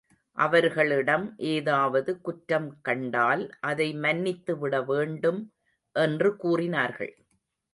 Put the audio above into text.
அவர்களிடம் ஏதாவது குற்றம் கண்டால், அதை மன்னித்து விடவேண்டும் என்று கூறினார்கள்.